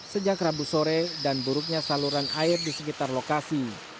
sejak rabu sore dan buruknya saluran air di sekitar lokasi